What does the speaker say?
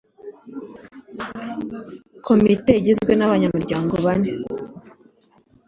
komite igizwe n’ abanyamuryango bane